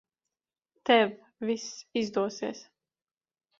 Tev viss izdosies.